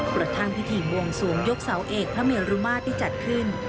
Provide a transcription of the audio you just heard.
กระทั่งพิธีบวงสวงยกเสาเอกพระเมรุมาตรที่จัดขึ้น